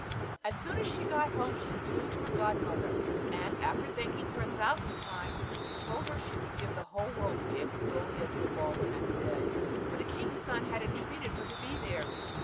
As soon as she got home she flew to her godmother, and, after thanking her a thousand times, told her she would give the world to be able to go again to the ball the next day, for the king's son had entreated her to be there.